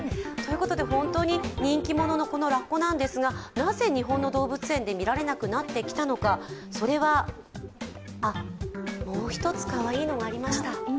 本当に人気者のラッコなんですが、なぜ日本の動物園で見られなくなったのか、もう一つ、かわいいのがありました